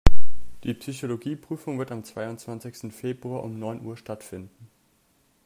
Die Psychologie-Prüfung wird am zweiundzwanzigsten Februar um neun Uhr stattfinden.